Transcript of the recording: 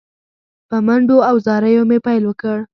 په منډو او زاریو مې پیل وکړ.